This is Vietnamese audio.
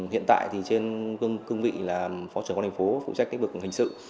hiện tại trên cương vị là phó trưởng của thành phố phụ trách các vực hình sự